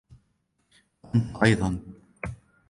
و أنت أيضا